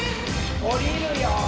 おりるよ。